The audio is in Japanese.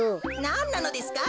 なんなのですか？